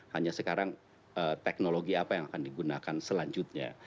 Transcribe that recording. hanya sekarang teknologi apa yang akan digunakan selanjutnya